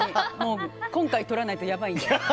今回とらないとやばいんで。